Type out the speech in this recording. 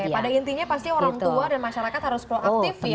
pada intinya pasti orang tua dan masyarakat harus proaktif ya